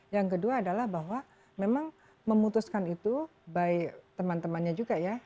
yang kedua adalah bahwa memang memutuskan itu by teman temannya juga ya